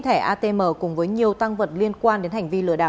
thẻ atm cùng với nhiều tăng vật liên quan đến hành vi lừa đảo